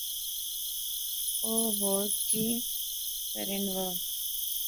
او ہور کہہ کرین وہا